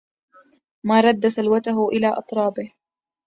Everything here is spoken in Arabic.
ما رد سلوته إلى إطرابه